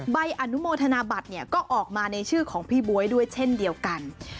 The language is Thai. ใบอนุโมทนาบัตรเนี่ยก็ออกมาในชื่อของพี่บ๊วยด้วยเช่นเดียวกัน